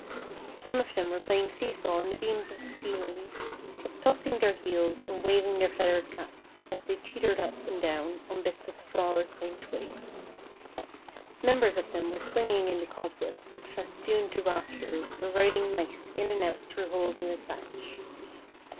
Some of them were playing seesaw on the beams of the ceiling, tossing their heels and waving their feathered caps, as they teetered up and down on bits of straw or green twigs. Numbers of them were swinging in the cobwebs that festooned the rafters or riding mice in and out through holes in the thatch.